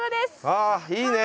ああいいね。